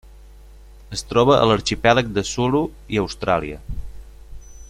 Es troba a l'Arxipèlag de Sulu i Austràlia.